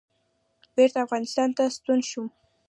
بېرته افغانستان ته ستون شوم.